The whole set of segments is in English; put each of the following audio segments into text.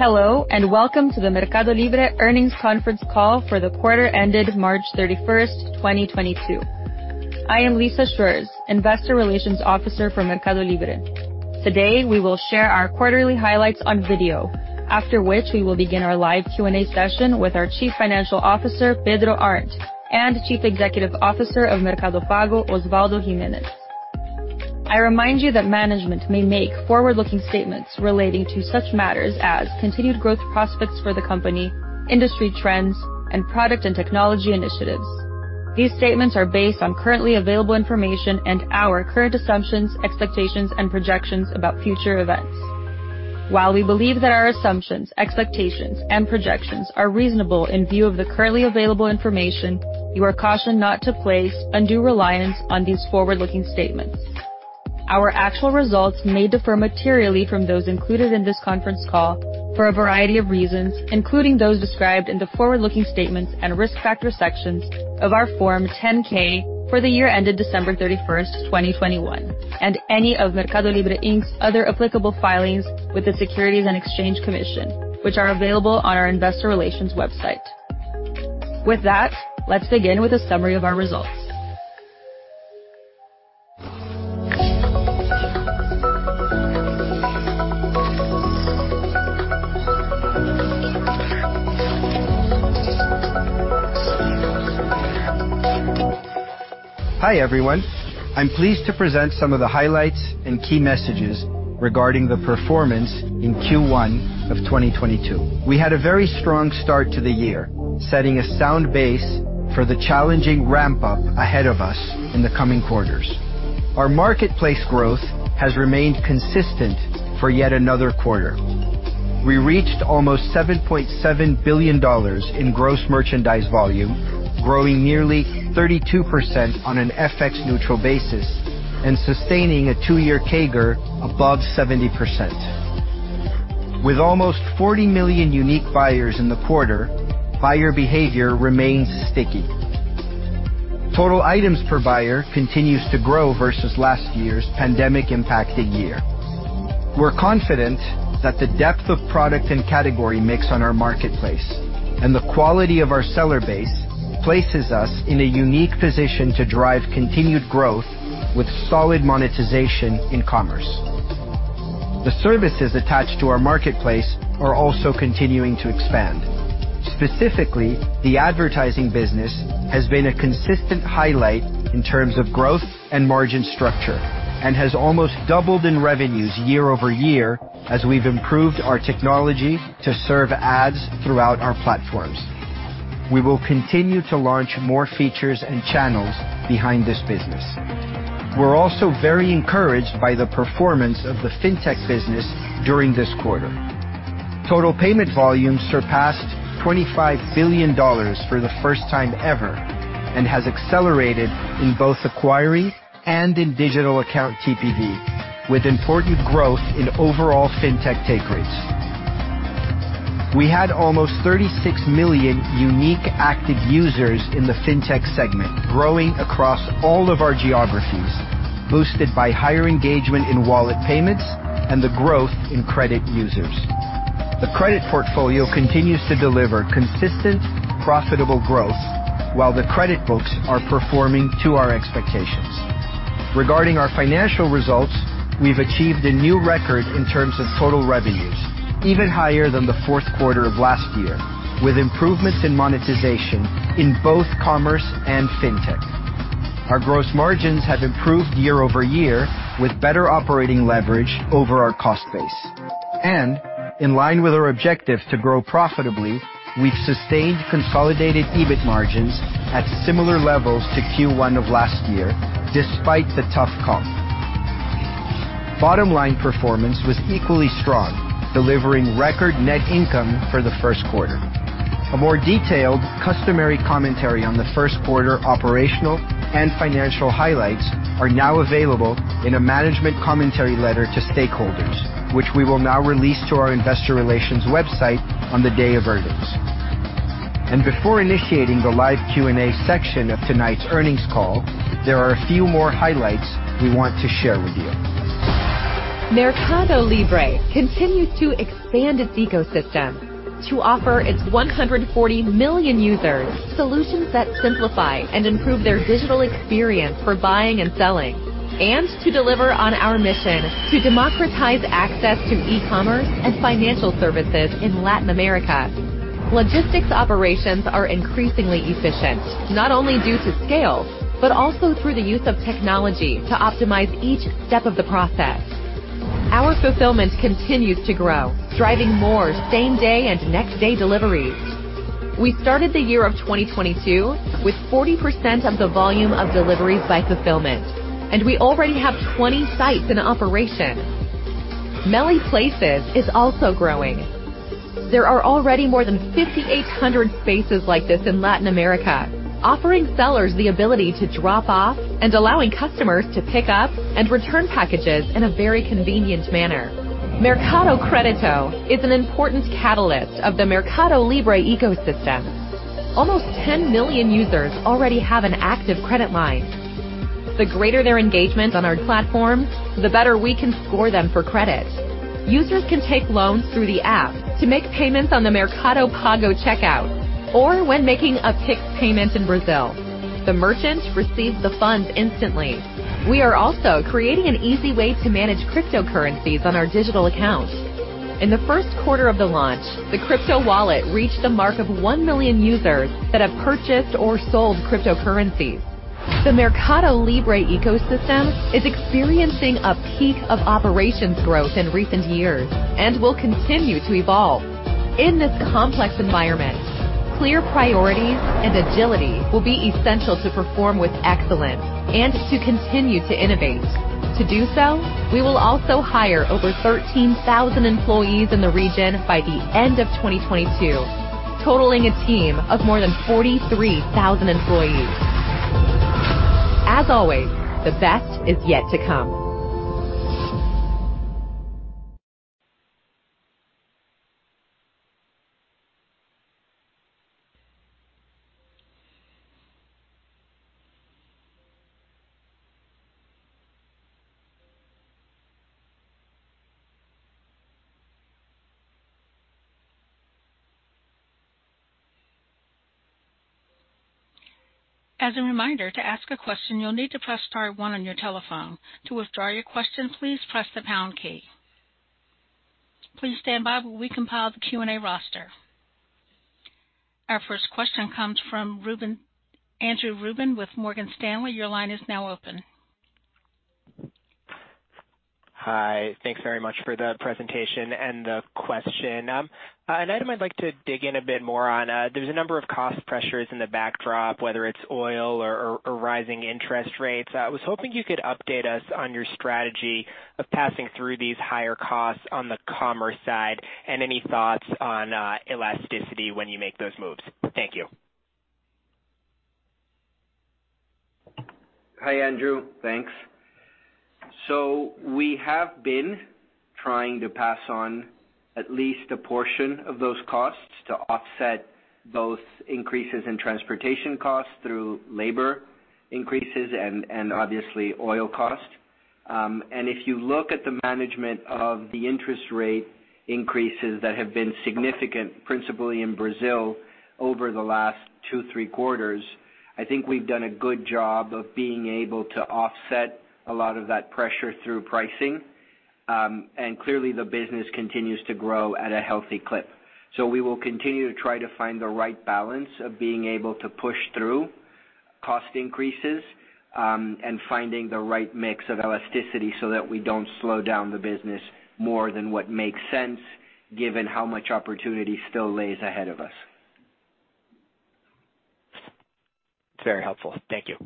Hello, and welcome to the MercadoLibre earnings conference call for the quarter ended March 31st, 2022. I am Lissa Schreurs, Investor Relations Officer for MercadoLibre. Today, we will share our quarterly highlights on video. After which, we will begin our live Q&A session with our Chief Financial Officer, Pedro Arnt, and Chief Executive Officer of Mercado Pago, Osvaldo Giménez. I remind you that management may make forward-looking statements relating to such matters as continued growth prospects for the company, industry trends, and product and technology initiatives. These statements are based on currently available information and our current assumptions, expectations, and projections about future events. While we believe that our assumptions, expectations, and projections are reasonable in view of the currently available information, you are cautioned not to place undue reliance on these forward-looking statements. Our actual results may differ materially from those included in this conference call for a variety of reasons, including those described in the forward-looking statements and risk factor sections of our Form 10-K for the year ended December 31st, 2021, and any of MercadoLibre, Inc's other applicable filings with the Securities and Exchange Commission, which are available on our investor relations website. With that, let's begin with a summary of our results. Hi, everyone. I'm pleased to present some of the highlights and key messages regarding the performance in Q1 of 2022. We had a very strong start to the year, setting a sound base for the challenging ramp up ahead of us in the coming quarters. Our marketplace growth has remained consistent for yet another quarter. We reached almost $7.7 billion in gross merchandise volume, growing nearly 32% on an FX neutral basis and sustaining a two-year CAGR above 70%. With almost 40 million unique buyers in the quarter, buyer behavior remains sticky. Total items per buyer continues to grow versus last year's pandemic-impacted year. We're confident that the depth of product and category mix on our marketplace and the quality of our seller base places us in a unique position to drive continued growth with solid monetization in commerce. The services attached to our marketplace are also continuing to expand. Specifically, the advertising business has been a consistent highlight in terms of growth and margin structure and has almost doubled in revenues year-over-year as we've improved our technology to serve ads throughout our platforms. We will continue to launch more features and channels behind this business. We're also very encouraged by the performance of the fintech business during this quarter. Total payment volume surpassed $25 billion for the first time ever, and has accelerated in both acquiring and in Digital Account TPV, with important growth in overall fintech take rates. We had almost 36 million unique active users in the fintech segment, growing across all of our geographies, boosted by higher engagement in wallet payments and the growth in credit users. The credit portfolio continues to deliver consistent, profitable growth, while the credit books are performing to our expectations. Regarding our financial results, we've achieved a new record in terms of total revenues, even higher than the fourth quarter of last year, with improvements in monetization in both commerce and fintech. Our gross margins have improved year-over-year with better operating leverage over our cost base. In line with our objective to grow profitably, we've sustained consolidated EBIT margins at similar levels to Q1 of last year, despite the tough comp. Bottom line performance was equally strong, delivering record net income for the first quarter. A more detailed customary commentary on the first quarter operational and financial highlights are now available in a management commentary letter to stakeholders, which we will now release to our investor relations website on the day of earnings. Before initiating the live Q&A section of tonight's earnings call, there are a few more highlights we want to share with you. MercadoLibre continues to expand its ecosystem to offer its 140 million users solutions that simplify and improve their digital experience for buying and selling. To deliver on our mission to democratize access to e-commerce and financial services in Latin America. Logistics operations are increasingly efficient, not only due to scale, but also through the use of technology to optimize each step of the process. Our fulfillment continues to grow, driving more same-day and next-day deliveries. We started the year of 2022 with 40% of the volume of deliveries by fulfillment, and we already have 20 sites in operation. MELI Places is also growing. There are already more than 5,800 spaces like this in Latin America, offering sellers the ability to drop off and allowing customers to pick up and return packages in a very convenient manner. Mercado Crédito is an important catalyst of the MercadoLibre ecosystem. Almost 10 million users already have an active credit line. The greater their engagement on our platform, the better we can score them for credit. Users can take loans through the app to make payments on the Mercado Pago checkout or when making a Pix payment in Brazil. The merchant receives the funds instantly. We are also creating an easy way to manage cryptocurrencies on our digital accounts. In the first quarter of the launch, the crypto wallet reached the mark of 1 million users that have purchased or sold cryptocurrencies. The MercadoLibre ecosystem is experiencing a peak of operations growth in recent years and will continue to evolve. In this complex environment, clear priorities and agility will be essential to perform with excellence and to continue to innovate. To do so, we will also hire over 13,000 employees in the region by the end of 2022, totaling a team of more than 43,000 employees. As always, the best is yet to come. As a reminder, to ask a question, you'll need to press star one on your telephone. To withdraw your question, please press the pound key. Please stand by while we compile the Q&A roster. Our first question comes from Andrew Ruben with Morgan Stanley. Your line is now open. Hi. Thanks very much for the presentation and the question. An item I'd like to dig in a bit more on. There's a number of cost pressures in the backdrop, whether it's oil or rising interest rates. I was hoping you could update us on your strategy of passing through these higher costs on the commerce side and any thoughts on elasticity when you make those moves. Thank you. Hi, Andrew. Thanks. We have been trying to pass on at least a portion of those costs to offset both increases in transportation costs through labor increases and obviously oil costs. If you look at the management of the interest rate increases that have been significant, principally in Brazil over the last two-three quarters, I think we've done a good job of being able to offset a lot of that pressure through pricing. Clearly the business continues to grow at a healthy clip. We will continue to try to find the right balance of being able to push through cost increases and finding the right mix of elasticity so that we don't slow down the business more than what makes sense given how much opportunity still lies ahead of us. It's very helpful. Thank you.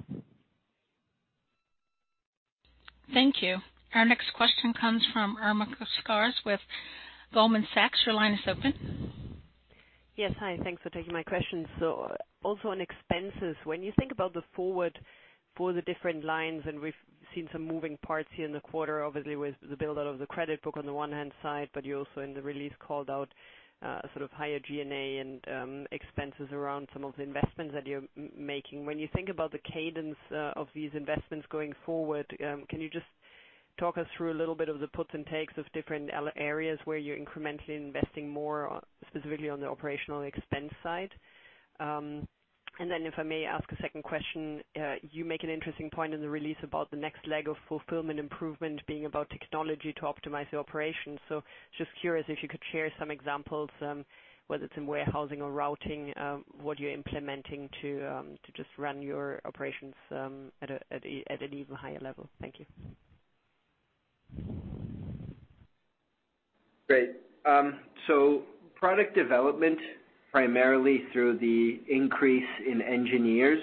Thank you. Our next question comes from Irma Sgarz with Goldman Sachs. Your line is open. Yes. Hi. Thanks for taking my question. Also on expenses, when you think about the forward for the different lines, and we've seen some moving parts here in the quarter, obviously with the build-out of the credit book on the one hand side, but you also in the release called out, sort of higher G&A and, expenses around some of the investments that you're making. When you think about the cadence, of these investments going forward, can you just talk us through a little bit of the puts and takes of different areas where you're incrementally investing more, specifically on the operational expense side? If I may ask a second question, you make an interesting point in the release about the next leg of fulfillment improvement being about technology to optimize the operations. Just curious if you could share some examples, whether it's in warehousing or routing, what you're implementing to just run your operations, at an even higher level. Thank you. Great. Product development, primarily through the increase in engineers,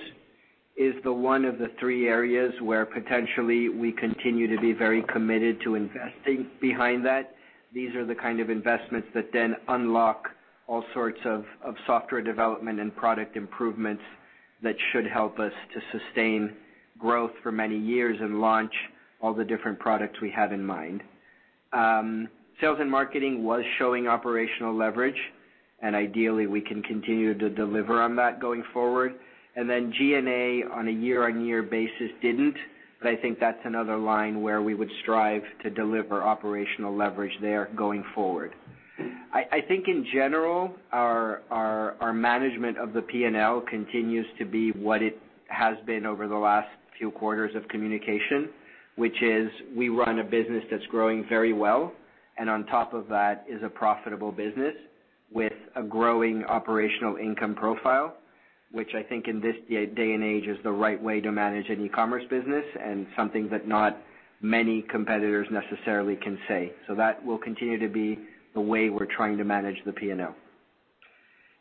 is the one of the three areas where potentially we continue to be very committed to investing behind that. These are the kind of investments that then unlock all sorts of software development and product improvements that should help us to sustain growth for many years and launch all the different products we have in mind. Sales and marketing was showing operational leverage, and ideally, we can continue to deliver on that going forward. G&A on a year-on-year basis didn't, but I think that's another line where we would strive to deliver operational leverage there going forward. I think in general, our management of the P&L continues to be what it has been over the last few quarters of communication, which is we run a business that's growing very well, and on top of that is a profitable business with a growing operational income profile, which I think in this day and age is the right way to manage an e-commerce business and something that not many competitors necessarily can say. That will continue to be the way we're trying to manage the P&L.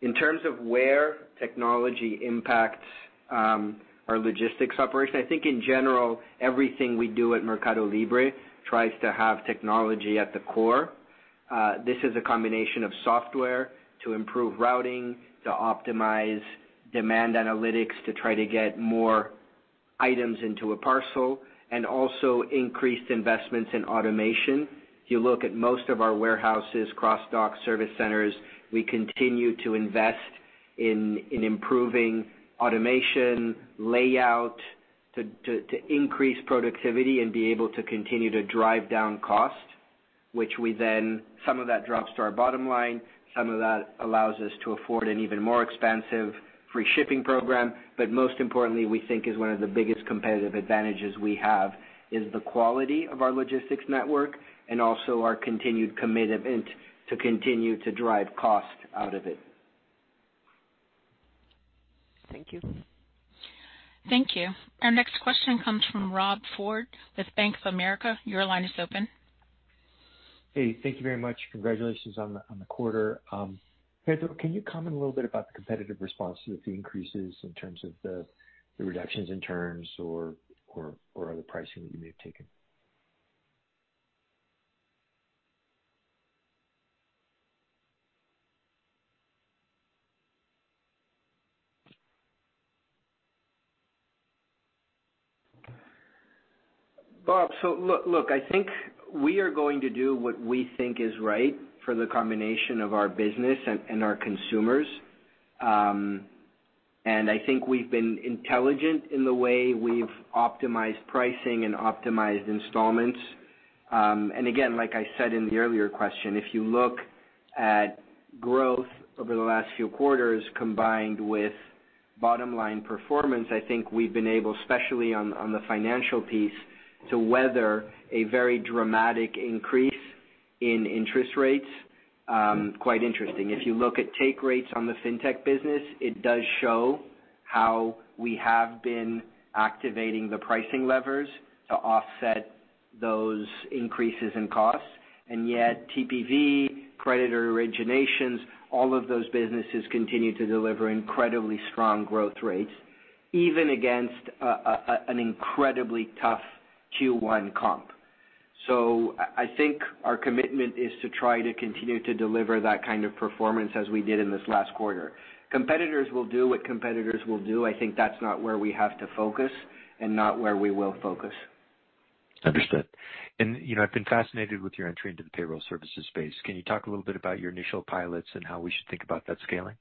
In terms of where technology impacts our logistics operation, I think in general, everything we do at MercadoLibre tries to have technology at the core. This is a combination of software to improve routing, to optimize demand analytics to try to get more items into a parcel and also increased investments in automation. If you look at most of our warehouses, cross-dock service centers, we continue to invest in improving automation, layout to increase productivity and be able to continue to drive down cost, which we then some of that drops to our bottom line. Some of that allows us to afford an even more expensive free shipping program. Most importantly, we think is one of the biggest competitive advantages we have is the quality of our logistics network and also our continued commitment to continue to drive cost out of it. Thank you. Thank you. Our next question comes from Rob Ford with Bank of America. Your line is open. Hey, thank you very much. Congratulations on the quarter. Pedro, can you comment a little bit about the competitive response to the fee increases in terms of the reductions in terms or other pricing that you may have taken? Bob, look, I think we are going to do what we think is right for the combination of our business and our consumers. I think we've been intelligent in the way we've optimized pricing and optimized installments. Again, like I said in the earlier question, if you look at growth over the last few quarters combined with bottom line performance, I think we've been able, especially on the financial piece, to weather a very dramatic increase in interest rates. Quite interesting. If you look at take rates on the fintech business, it does show how we have been activating the pricing levers to offset those increases in costs. Yet TPV, credit originations, all of those businesses continue to deliver incredibly strong growth rates, even against an incredibly tough Q1 comp. I think our commitment is to try to continue to deliver that kind of performance as we did in this last quarter. Competitors will do what competitors will do. I think that's not where we have to focus and not where we will focus. Understood. You know, I've been fascinated with your entry into the payroll services space. Can you talk a little bit about your initial pilots and how we should think about that scaling?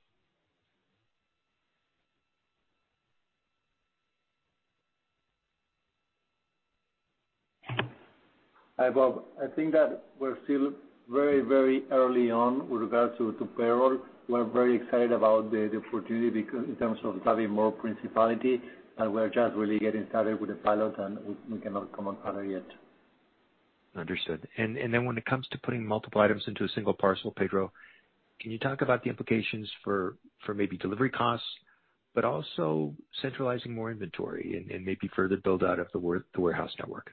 Hi, Bob. I think that we're still very, very early on with regards to payroll. We're very excited about the opportunity because in terms of having more principal, and we're just really getting started with the pilot, and we cannot comment on it yet. Understood. Then when it comes to putting multiple items into a single parcel, Pedro, can you talk about the implications for maybe delivery costs, but also centralizing more inventory and maybe further build out of the warehouse network?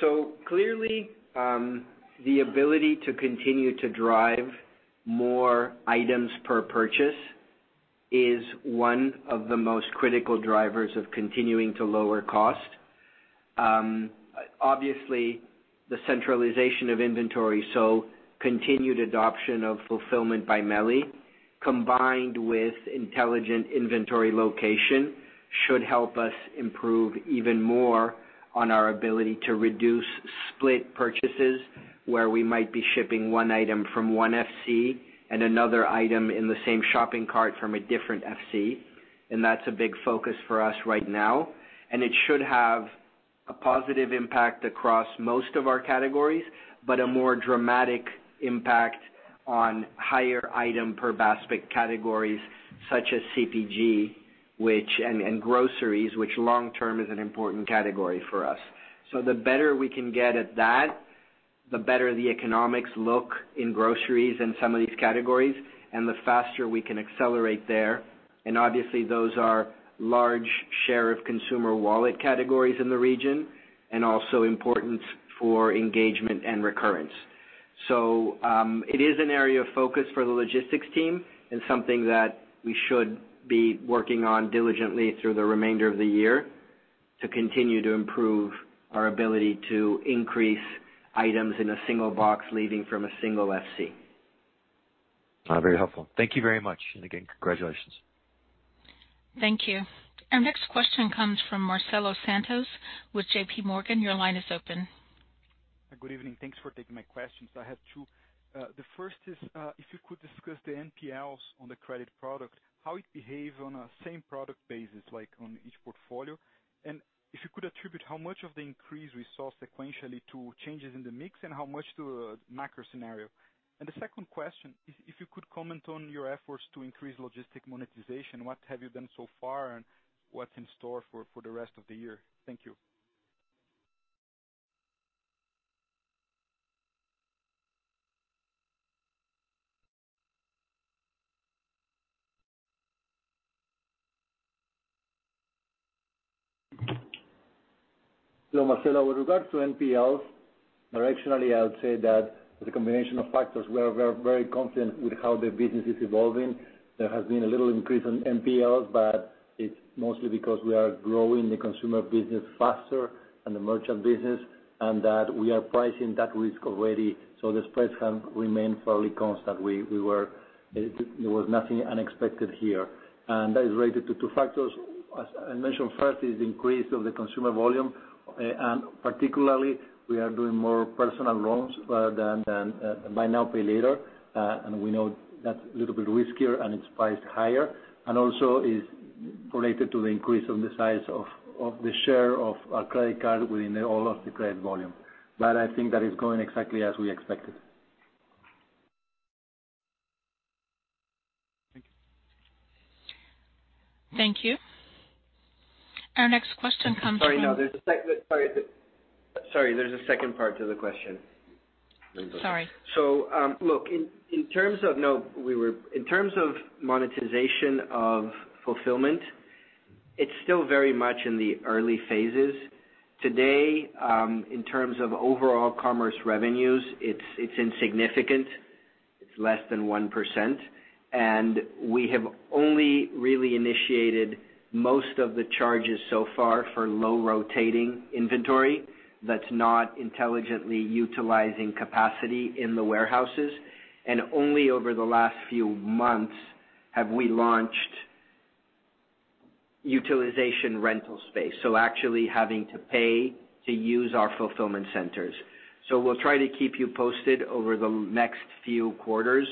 Sure. Clearly, the ability to continue to drive more items per purchase is one of the most critical drivers of continuing to lower cost. Obviously the centralization of inventory, so continued adoption of Fulfillment by MELI, combined with intelligent inventory location, should help us improve even more on our ability to reduce split purchases, where we might be shipping one item from one FC and another item in the same shopping cart from a different FC. That's a big focus for us right now. It should have a positive impact across most of our categories, but a more dramatic impact on higher item per basket categories such as CPG and groceries, which long term is an important category for us. The better we can get at that, the better the economics look in groceries and some of these categories, and the faster we can accelerate there. Obviously, those are large share of consumer wallet categories in the region and also important for engagement and recurrence. It is an area of focus for the logistics team and something that we should be working on diligently through the remainder of the year to continue to improve our ability to increase items in a single box leaving from a single FC. Very helpful. Thank you very much. Again, congratulations. Thank you. Our next question comes from Marcelo Santos with JPMorgan. Your line is open. Good evening. Thanks for taking my questions. I have two. The first is, if you could discuss the NPLs on the credit product, how it behaves on a same product basis, like on each portfolio? If you could attribute how much of the increase we saw sequentially to changes in the mix and how much to a macro scenario. The second question, if you could comment on your efforts to increase logistics monetization, what have you done so far, and what's in store for the rest of the year? Thank you. Marcelo, with regards to NPL, directionally, I would say that the combination of factors, we are very confident with how the business is evolving. There has been a little increase in NPLs, but it's mostly because we are growing the consumer business faster than the merchant business. That we are pricing that risk already so the spreads have remained fairly constant. There was nothing unexpected here, and that is related to two factors. As I mentioned, first is increase of the consumer volume, and particularly, we are doing more personal loans than Buy Now, Pay Later. We know that's a little bit riskier, and it's priced higher and also is related to the increase in the size of the share of our credit card within all of the credit volume. I think that is going exactly as we expected. Thank you. Thank you. Our next question comes from No, there's a second part to the question. Sorry. In terms of monetization of fulfillment, it's still very much in the early phases. Today, in terms of overall commerce revenues, it's insignificant. It's less than 1%, and we have only really initiated most of the charges so far for low-rotating inventory that's not intelligently utilizing capacity in the warehouses. Only over the last few months have we launched utilization rental space, so actually having to pay to use our fulfillment centers. We'll try to keep you posted over the next few quarters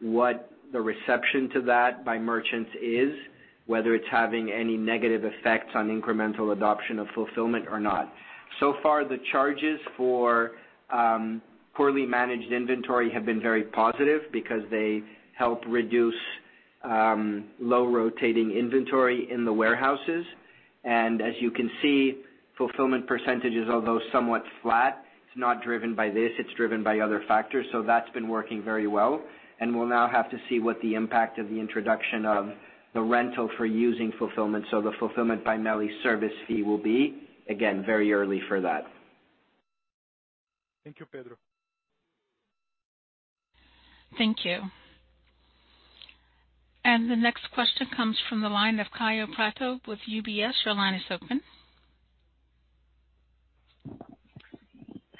what the reception to that by merchants is, whether it's having any negative effects on incremental adoption of fulfillment or not. So far, the charges for poorly managed inventory have been very positive because they help reduce low-rotating inventory in the warehouses. As you can see, fulfillment percentages, although somewhat flat, it's not driven by this, it's driven by other factors. That's been working very well. We'll now have to see what the impact of the introduction of the rate for using Fulfillment by MELI service fee will be, again, very early for that. Thank you, Pedro. Thank you. The next question comes from the line of Kaio Prato with UBS. Your line is open.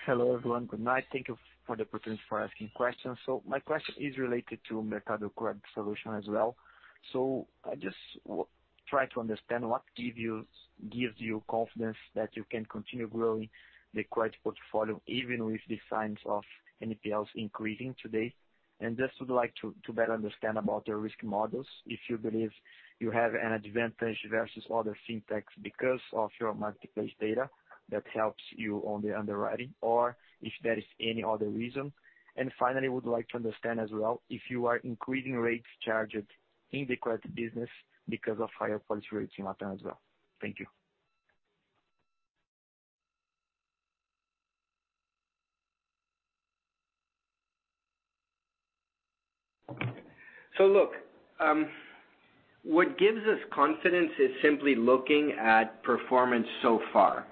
Hello, everyone. Good night. Thank you for the opportunity for asking questions. My question is related to Mercado Crédito solution as well. I just try to understand what gives you confidence that you can continue growing the credit portfolio even with the signs of NPLs increasing today. I would like to better understand about the risk models, if you believe you have an advantage versus other fintechs because of your marketplace data that helps you on the underwriting or if there is any other reason. Finally, would like to understand as well if you are increasing rates charged in the credit business because of higher policy rates in LatAm as well. Thank you. Look, what gives us confidence is simply looking at performance so far.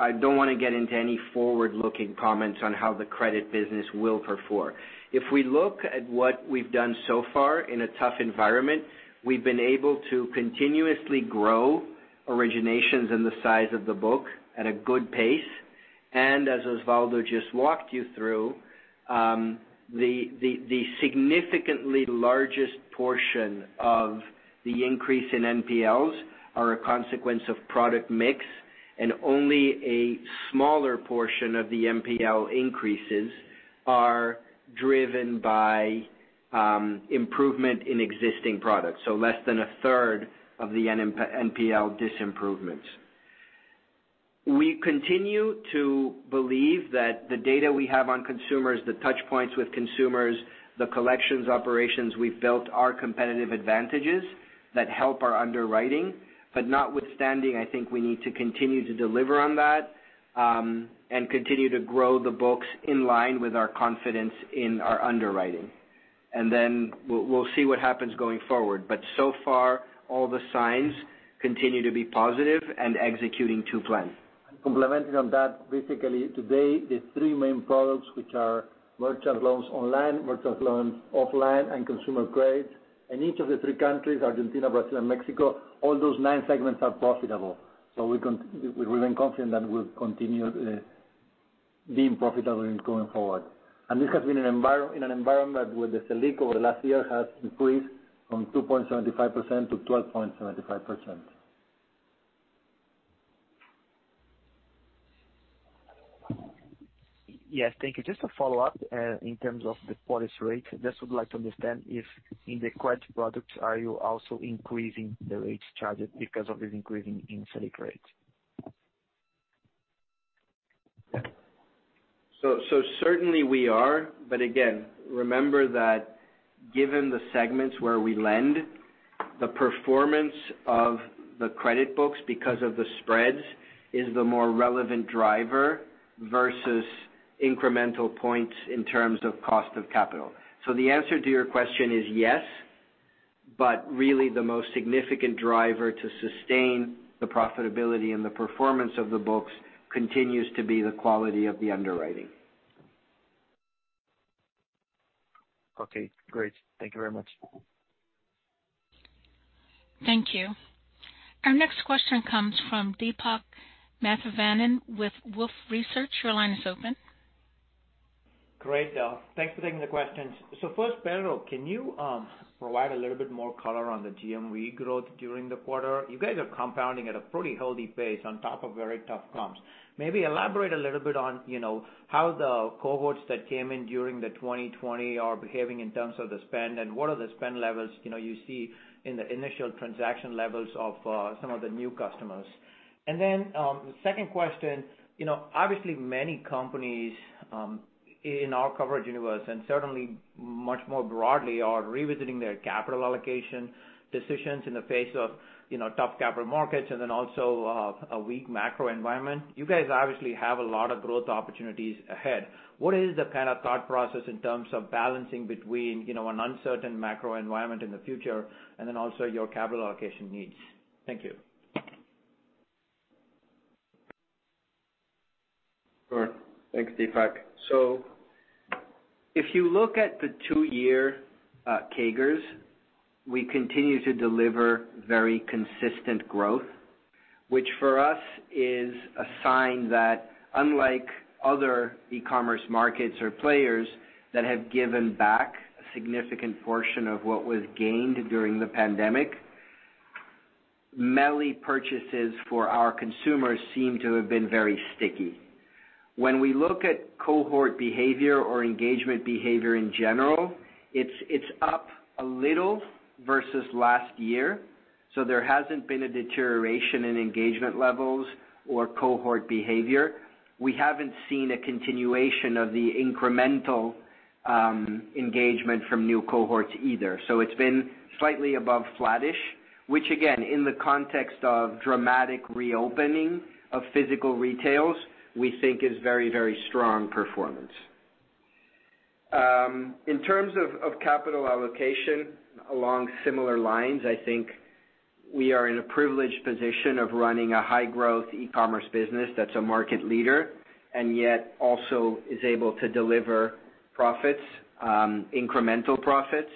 I don't wanna get into any forward-looking comments on how the credit business will perform. If we look at what we've done so far in a tough environment, we've been able to continuously grow originations in the size of the book at a good pace. As Osvaldo just walked you through, the single largest portion of the increase in NPLs is a consequence of product mix, and only a smaller portion of the NPL increases are driven by improvement in existing products. Less than a third of the NPL disimprovements. We continue to believe that the data we have on consumers, the touch points with consumers, the collections operations we've built are competitive advantages that help our underwriting. Notwithstanding, I think we need to continue to deliver on that, and continue to grow the books in line with our confidence in our underwriting. We'll see what happens going forward. So far, all the signs continue to be positive and executing to plan. Commenting on that, basically today, the three main products which are merchant loans online, merchant loans offline, and consumer credit. In each of the three countries, Argentina, Brazil, and Mexico, all those nine segments are profitable. We remain confident that we'll continue being profitable going forward. This has been in an environment where the Selic over the last year has increased from 2.75%-12.75%. Yes. Thank you. Just a follow-up, in terms of the policy rate. Just would like to understand if in the credit products, are you also increasing the rates charged because of the increase in Selic rates? Certainly we are. Again, remember that given the segments where we lend, the performance of the credit books because of the spreads is the more relevant driver versus incremental points in terms of cost of capital. The answer to your question is yes, but really the most significant driver to sustain the profitability and the performance of the books continues to be the quality of the underwriting. Okay, great. Thank you very much. Thank you. Our next question comes from Deepak Mathivanan with Wolfe Research. Your line is open. Great. Thanks for taking the questions. First, Pedro, can you provide a little bit more color on the GMV growth during the quarter? You guys are compounding at a pretty healthy pace on top of very tough comps. Maybe elaborate a little bit on, you know, how the cohorts that came in during 2020 are behaving in terms of the spend, and what are the spend levels, you know, you see in the initial transaction levels of some of the new customers. The second question. You know, obviously many companies in our coverage universe, and certainly much more broadly are revisiting their capital allocation decisions in the face of, you know, tough capital markets and then also a weak macro environment. You guys obviously have a lot of growth opportunities ahead. What is the kind of thought process in terms of balancing between, you know, an uncertain macro environment in the future and then also your capital allocation needs? Thank you. Sure. Thanks, Deepak. If you look at the two-year CAGRs, we continue to deliver very consistent growth, which for us is a sign that unlike other e-commerce markets or players that have given back a significant portion of what was gained during the pandemic, MELI purchases for our consumers seem to have been very sticky. When we look at cohort behavior or engagement behavior in general, it's up a little versus last year, so there hasn't been a deterioration in engagement levels or cohort behavior. We haven't seen a continuation of the incremental engagement from new cohorts either. It's been slightly above flattish, which again, in the context of dramatic reopening of physical retail, we think is very, very strong performance. In terms of capital allocation, along similar lines, I think we are in a privileged position of running a high growth e-commerce business that's a market leader and yet also is able to deliver profits, incremental profits.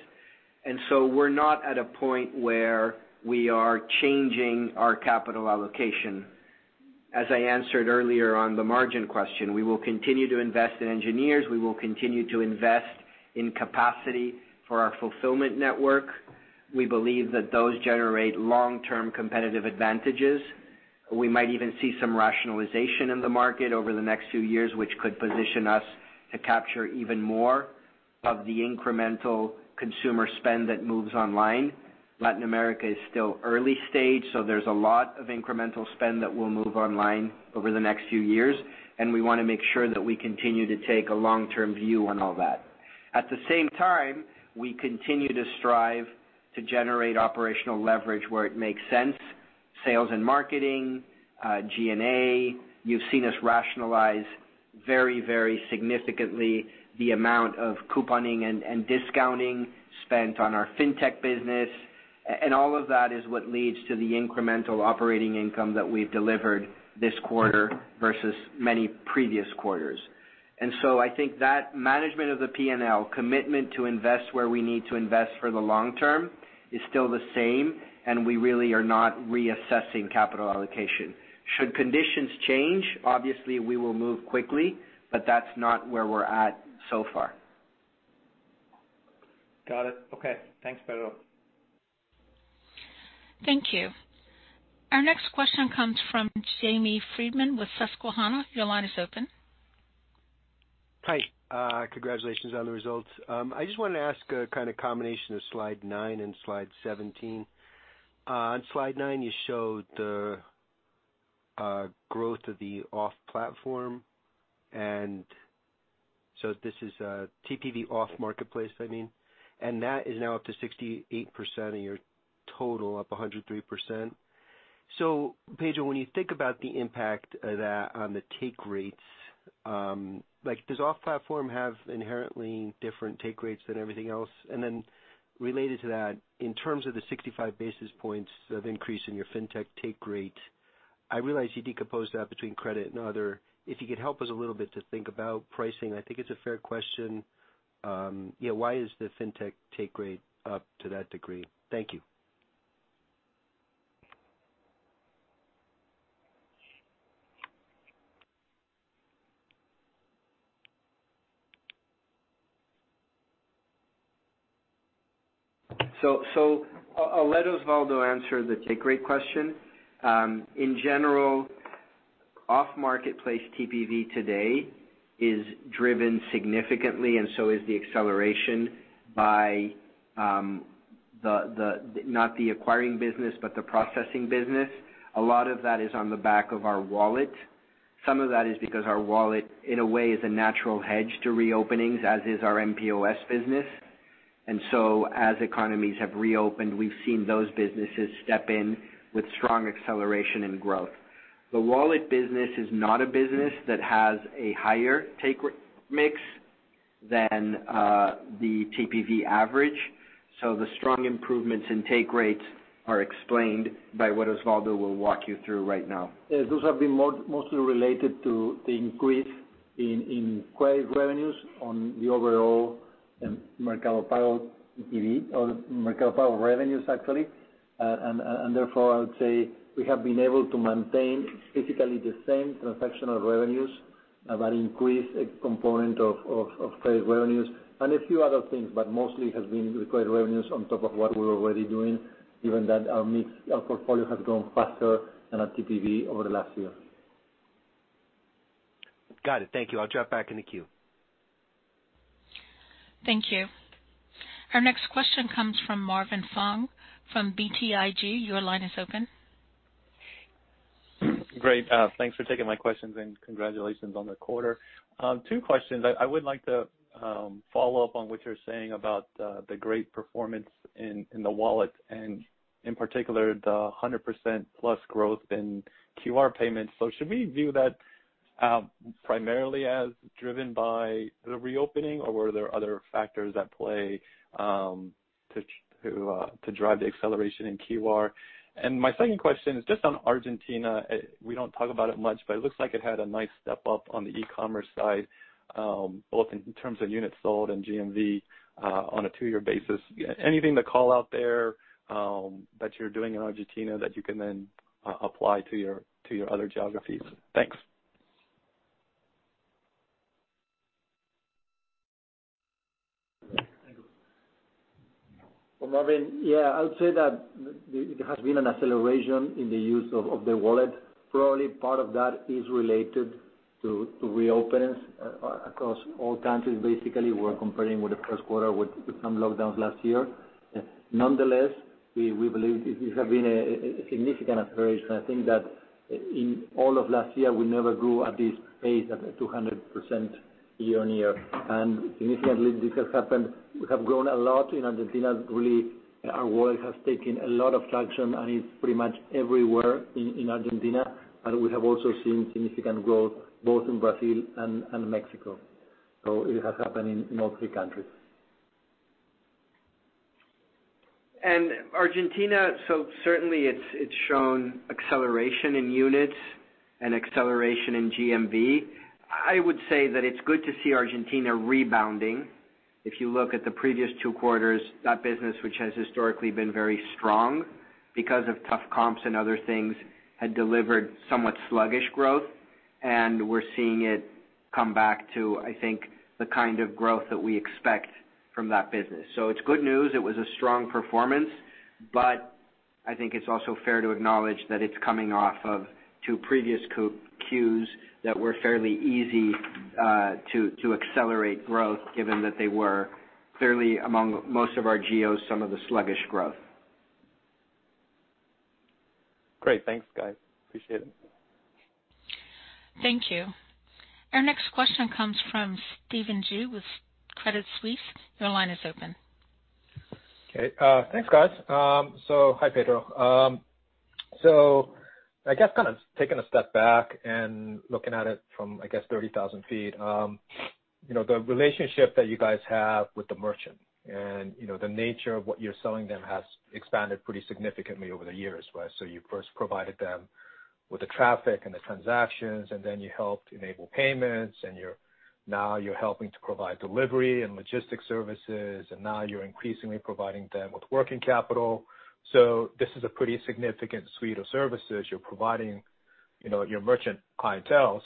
We're not at a point where we are changing our capital allocation. As I answered earlier on the margin question, we will continue to invest in engineers. We will continue to invest in capacity for our fulfillment network. We believe that those generate long-term competitive advantages. We might even see some rationalization in the market over the next few years, which could position us to capture even more of the incremental consumer spend that moves online. Latin America is still early stage, so there's a lot of incremental spend that will move online over the next few years, and we wanna make sure that we continue to take a long-term view on all that. At the same time, we continue to strive to generate operational leverage where it makes sense, sales and marketing, G&A. You've seen us rationalize very, very significantly the amount of couponing and discounting spent on our fintech business. And all of that is what leads to the incremental operating income that we've delivered this quarter versus many previous quarters. I think that management of the P&L commitment to invest where we need to invest for the long term is still the same, and we really are not reassessing capital allocation. Should conditions change, obviously we will move quickly, but that's not where we're at so far. Got it. Okay. Thanks, Pedro. Thank you. Our next question comes from Jamie Friedman with Susquehanna. Your line is open. Hi. Congratulations on the results. I just wanted to ask a kinda combination of slide nine and slide 17. On slide nine, you showed the growth of the off-platform. This is TPV off marketplace, I mean, and that is now up to 68% of your total, up 103%. So Pedro, when you think about the impact of that on the take rates, like does off-platform have inherently different take rates than everything else? And then related to that, in terms of the 65 basis points of increase in your fintech take rate, I realize you decomposed that between credit and other. If you could help us a little bit to think about pricing, I think it's a fair question. Yeah, why is the fintech take rate up to that degree? Thank you. I'll let Osvaldo answer the take rate question. In general, off marketplace TPV today is driven significantly, and so is the acceleration by not the acquiring business but the processing business. A lot of that is on the back of our wallet. Some of that is because our wallet, in a way, is a natural hedge to reopenings, as is our mPOS business. As economies have reopened, we've seen those businesses step in with strong acceleration and growth. The wallet business is not a business that has a higher take rate mix than the TPV average. The strong improvements in take rates are explained by what Osvaldo will walk you through right now. Yeah. Those have been more, mostly related to the increase in credit revenues on the overall and Mercado Pago TPV or Mercado Pago revenues actually. And therefore, I would say we have been able to maintain basically the same transaction revenues with an increased component of credit revenues and a few other things, but mostly has been the credit revenues on top of what we're already doing, given that our mix, our portfolio has grown faster than our TPV over the last year. Got it. Thank you. I'll drop back in the queue. Thank you. Our next question comes from Marvin Fong from BTIG. Your line is open. Great. Thanks for taking my questions and congratulations on the quarter. Two questions. I would like to follow up on what you're saying about the great performance in the wallet and in particular the 100%+ growth in QR payments. Should we view that primarily as driven by the reopening, or were there other factors at play to drive the acceleration in QR? My second question is just on Argentina. We don't talk about it much, but it looks like it had a nice step up on the e-commerce side both in terms of units sold and GMV on a two-year basis. Anything to call out there that you're doing in Argentina that you can then apply to your other geographies? Thanks. Well, Marvin, yeah, I would say that there has been an acceleration in the use of the wallet. Probably part of that is related to reopenings across all countries. Basically, we're comparing with the first quarter with some lockdowns last year. Nonetheless, we believe this has been a significant acceleration. I think that in all of last year, we never grew at this pace at 200% year-on-year. Significantly, this has happened. We have grown a lot in Argentina. Really, our wallet has taken a lot of traction, and it's pretty much everywhere in Argentina. We have also seen significant growth both in Brazil and Mexico. It has happened in all three countries. Argentina, so certainly it's shown acceleration in units and acceleration in GMV. I would say that it's good to see Argentina rebounding. If you look at the previous two quarters, that business, which has historically been very strong because of tough comps and other things, had delivered somewhat sluggish growth. We're seeing it come back to, I think, the kind of growth that we expect from that business. It's good news. It was a strong performance, but I think it's also fair to acknowledge that it's coming off of two previous quarters that were fairly easy to accelerate growth given that they were clearly among most of our geos, some of the sluggish growth. Great. Thanks, guys. Appreciate it. Thank you. Our next question comes from Stephen Ju with Credit Suisse. Your line is open. Okay. Thanks, guys. Hi, Pedro. I guess kind of taking a step back and looking at it from, I guess, 30,000 ft, you know, the relationship that you guys have with the merchant and, you know, the nature of what you're selling them has expanded pretty significantly over the years, right? You first provided them with the traffic and the transactions, and then you helped enable payments, and now you're helping to provide delivery and logistics services, and now you're increasingly providing them with working capital. This is a pretty significant suite of services you're providing, you know, your merchant clientele.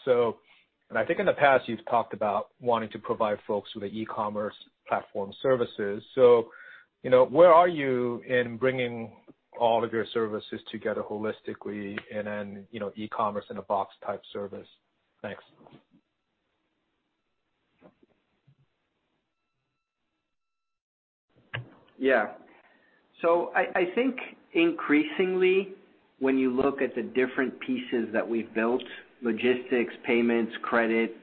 I think in the past, you've talked about wanting to provide folks with the e-commerce platform services. You know, where are you in bringing all of your services together holistically and then, you know, e-commerce in a box type service? Thanks. Yeah. I think increasingly when you look at the different pieces that we've built, logistics, payments, credit,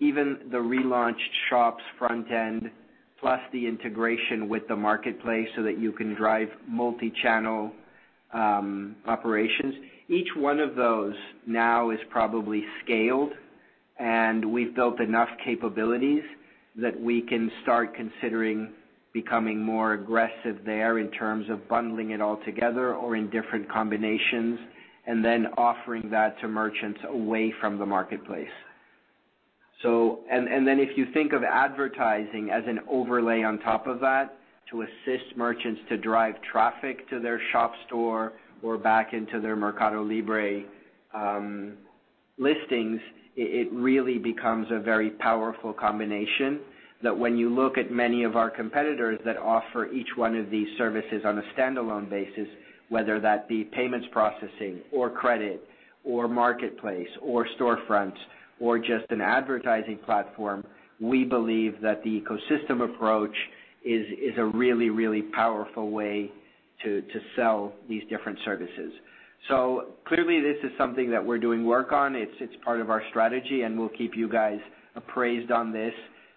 even the relaunched Shops front end, plus the integration with the marketplace so that you can drive multi-channel operations, each one of those now is probably scaled. We've built enough capabilities that we can start considering becoming more aggressive there in terms of bundling it all together or in different combinations, and then offering that to merchants away from the marketplace. If you think of advertising as an overlay on top of that to assist merchants to drive traffic to their shop storefront or back into their MercadoLibre listings, it really becomes a very powerful combination that when you look at many of our competitors that offer each one of these services on a standalone basis, whether that be payments processing or credit or marketplace or storefront or just an advertising platform, we believe that the ecosystem approach is a really powerful way to sell these different services. Clearly this is something that we're doing work on. It is part of our strategy, and we'll keep you guys appraised on this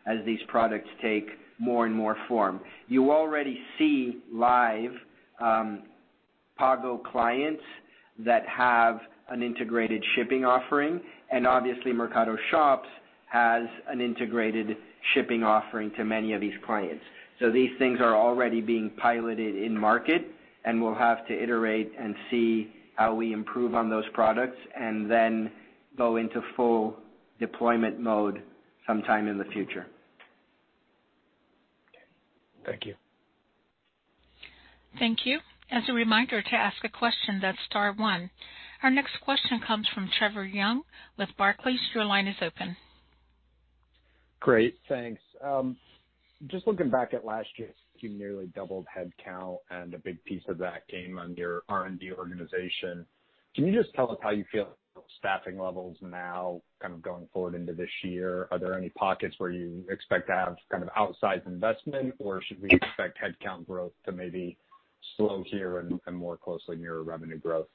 as these products take more and more form. You already see live Pago clients that have an integrated shipping offering. Obviously Mercado Shops has an integrated shipping offering to many of these clients. These things are already being piloted in market, and we'll have to iterate and see how we improve on those products and then go into full deployment mode sometime in the future. Thank you. Thank you. As a reminder, to ask a question, that's star one. Our next question comes from Trevor Young with Barclays. Your line is open. Great, thanks. Just looking back at last year, you nearly doubled headcount, and a big piece of that came on your R&D organization. Can you just tell us how you feel staffing levels now kind of going forward into this year? Are there any pockets where you expect to have kind of outsized investment, or should we expect headcount growth to maybe slow here and more closely mirror revenue growth?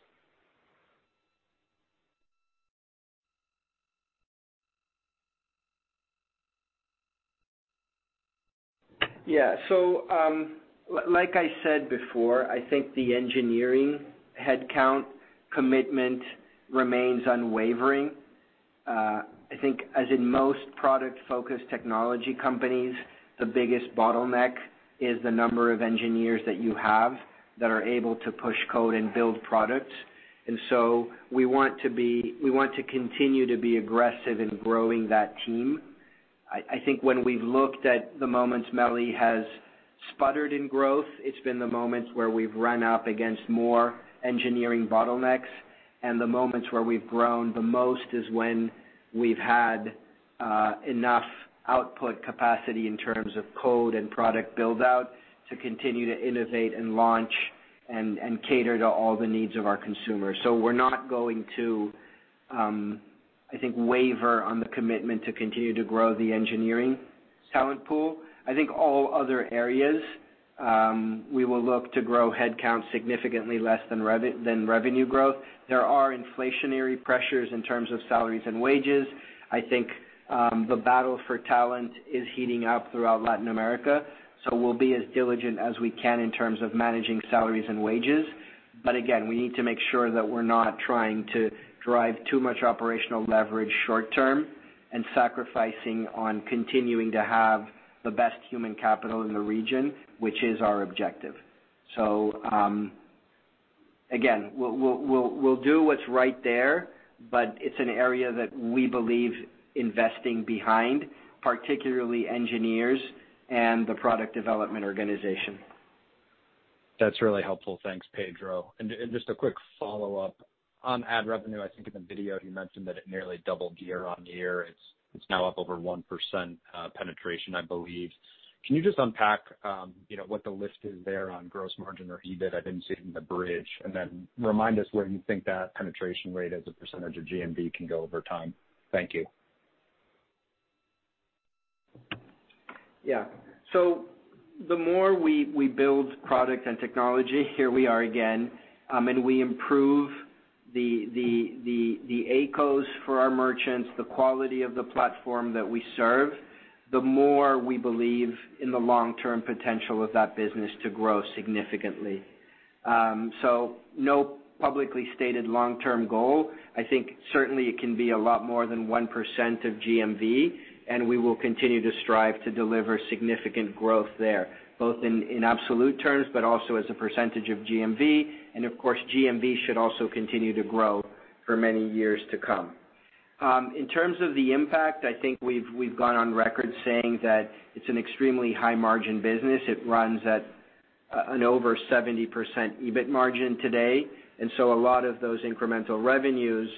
Yeah. Like I said before, I think the engineering headcount commitment remains unwavering. I think as in most product-focused technology companies, the biggest bottleneck is the number of engineers that you have that are able to push code and build products. We want to continue to be aggressive in growing that team. I think when we've looked at the moments MELI has sputtered in growth, it's been the moments where we've run up against more engineering bottlenecks. The moments where we've grown the most is when we've had enough output capacity in terms of code and product build-out to continue to innovate and launch and cater to all the needs of our consumers. We're not going to, I think, waver on the commitment to continue to grow the engineering talent pool. I think all other areas, we will look to grow headcount significantly less than revenue growth. There are inflationary pressures in terms of salaries and wages. I think, the battle for talent is heating up throughout Latin America, so we'll be as diligent as we can in terms of managing salaries and wages. Again, we need to make sure that we're not trying to drive too much operational leverage short term and sacrificing on continuing to have the best human capital in the region, which is our objective. Again, we'll do what's right there, but it's an area that we believe investing behind, particularly engineers and the product development organization. That's really helpful. Thanks, Pedro. Just a quick follow-up. On ad revenue, I think in the video you mentioned that it nearly doubled year-over-year. It's now up over 1% penetration, I believe. Can you just unpack, you know, what the lift is there on gross margin or EBIT? I didn't see it in the bridge. Then remind us where you think that penetration rate as a percentage of GMV can go over time. Thank you. Yeah. The more we build product and technology, here we are again, and we improve the ACoS for our merchants, the quality of the platform that we serve, the more we believe in the long-term potential of that business to grow significantly. No publicly stated long-term goal. I think certainly it can be a lot more than 1% of GMV, and we will continue to strive to deliver significant growth there, both in absolute terms, but also as a percentage of GMV. Of course, GMV should also continue to grow for many years to come. In terms of the impact, I think we've gone on record saying that it's an extremely high-margin business. It runs at an over 70% EBIT margin today. A lot of those incremental revenues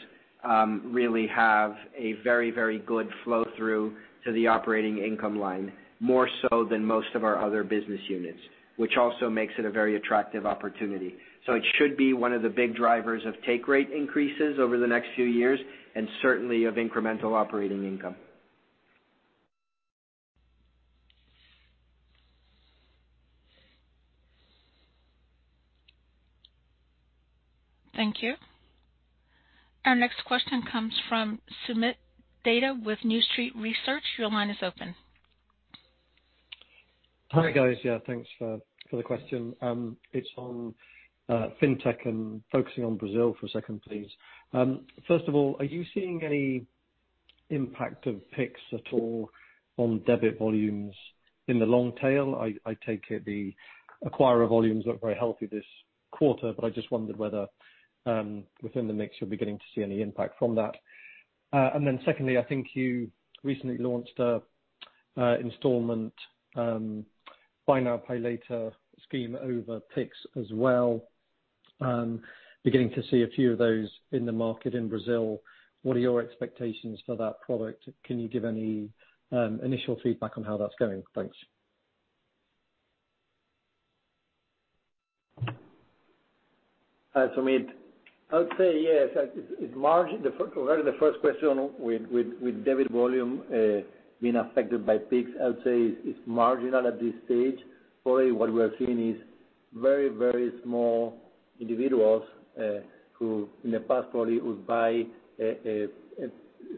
really have a very, very good flow through to the operating income line, more so than most of our other business units, which also makes it a very attractive opportunity. It should be one of the big drivers of take rate increases over the next few years, and certainly of incremental operating income. Thank you. Our next question comes from Soomit Datta with New Street Research. Your line is open. Hi, guys. Yeah, thanks for the question. It's on fintech and focusing on Brazil for a second, please. First of all, are you seeing any impact of Pix at all on debit volumes in the long tail? I take it the acquirer volumes look very healthy this quarter, but I just wondered whether, within the mix, you'll be getting to see any impact from that. And then secondly, I think you recently launched a installment Buy Now, Pay Later scheme over Pix as well, beginning to see a few of those in the market in Brazil. What are your expectations for that product? Can you give any initial feedback on how that's going? Thanks. Hi, Soomit. I would say yes. To answer the first question with debit volume being affected by Pix, I would say it's marginal at this stage. Probably what we are seeing is very small individuals who in the past probably would buy a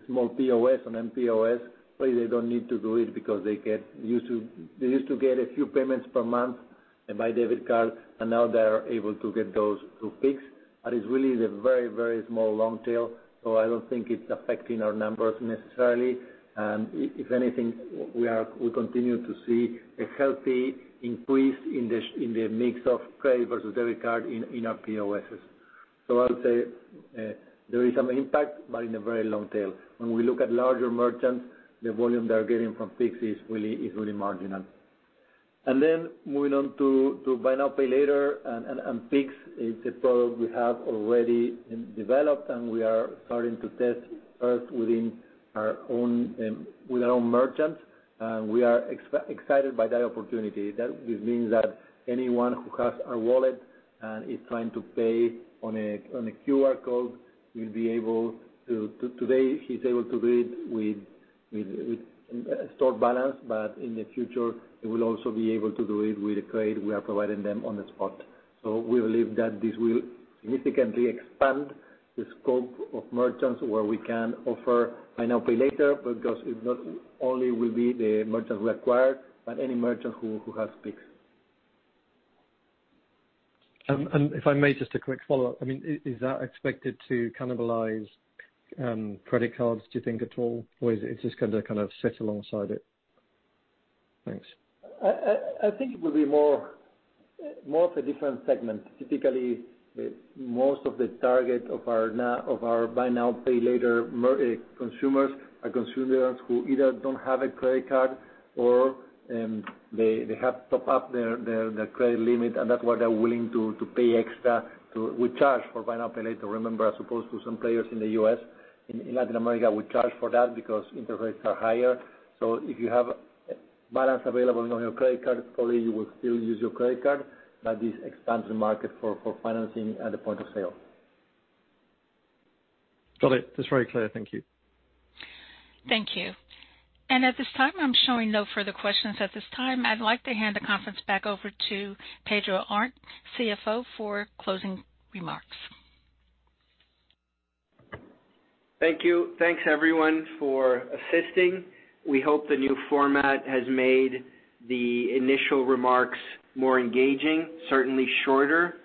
small POS, an mPOS, but they don't need to do it because they used to get a few payments per month by debit card, and now they are able to get those through Pix. That is really the very small long tail, so I don't think it's affecting our numbers necessarily. If anything, we continue to see a healthy increase in the mix of credit versus debit card in our POSs. I would say, there is some impact, but in a very long tail. When we look at larger merchants, the volume they are getting from Pix is really marginal. Moving on to Buy Now, Pay Later and Pix is a product we have already developed, and we are starting to test first with our own merchants, and we are excited by that opportunity. That will mean that anyone who has a wallet and is trying to pay on a QR code will be able to. Today, he's able to do it with store balance, but in the future, he will also be able to do it with the credit we are providing them on the spot. We believe that this will significantly expand the scope of merchants where we can offer Buy Now, Pay Later, because it not only will be the merchants we acquire, but any merchant who has Pix. If I may, just a quick follow-up. I mean, is that expected to cannibalize credit cards, do you think at all? Or is it just gonna kind of sit alongside it? Thanks. I think it will be more of a different segment. Typically, most of the target of our Buy Now, Pay Later consumers are consumers who either don't have a credit card or they have topped up their credit limit and that's why they're willing to pay extra to. We charge for Buy Now, Pay Later, remember, as opposed to some players in the U.S. In Latin America, we charge for that because interest rates are higher. If you have balance available on your credit card, probably you will still use your credit card, but this expands the market for financing at the Point of Sale. Got it. That's very clear. Thank you. Thank you. At this time, I'm showing no further questions at this time. I'd like to hand the conference back over to Pedro Arnt, CFO, for closing remarks. Thank you. Thanks, everyone, for assisting. We hope the new format has made the initial remarks more engaging, certainly shorter.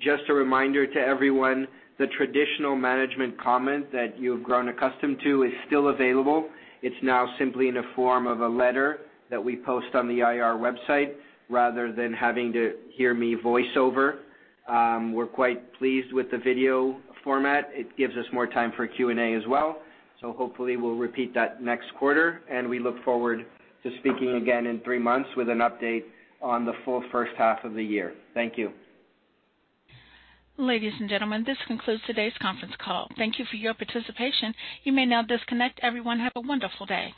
Just a reminder to everyone, the traditional management comment that you've grown accustomed to is still available. It's now simply in the form of a letter that we post on the IR website rather than having to hear me voice over. We're quite pleased with the video format. It gives us more time for Q&A as well. Hopefully we'll repeat that next quarter, and we look forward to speaking again in three months with an update on the full first half of the year. Thank you. Ladies and gentlemen, this concludes today's conference call. Thank you for your participation. You may now disconnect. Everyone, have a wonderful day.